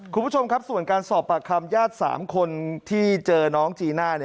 คุณผู้ชมครับส่วนการสอบปากคำญาติ๓คนที่เจอน้องจีน่า